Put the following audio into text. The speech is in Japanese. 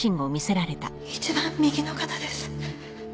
一番右の方です。